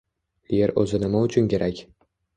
Yer o‘zi nima uchun kerak?